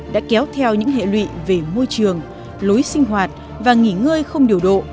đã kéo theo những hệ lụy về môi trường lối sinh hoạt và nghỉ ngơi không điều độ